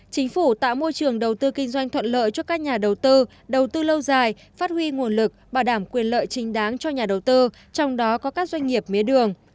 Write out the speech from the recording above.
chính phủ tạo môi trường đầu tư kinh doanh thuận lợi cho các nhà đầu tư đầu tư lâu dài phát huy nguồn lực bảo đảm quyền lợi chính đáng cho nhà đầu tư trong đó có các doanh nghiệp mía đường